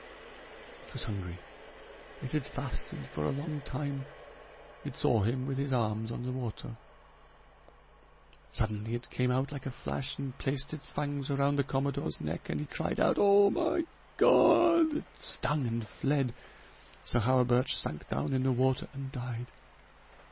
It was hungry, it had fasted for a long time; it saw him with his arms on the water. Suddenly it came out like a flash and placed its fangs around the commodore's neck, and he cried out: 'Oh! oh! my God!' It stung and fled. Sir Hawerburch sank down in the water and died.